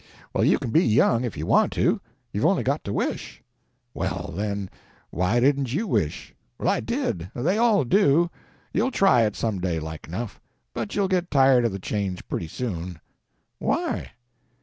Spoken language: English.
"Well, you can be young if you want to. You've only got to wish." "Well, then, why didn't you wish?" "I did. They all do. You'll try it, some day, like enough; but you'll get tired of the change pretty soon." "Why?"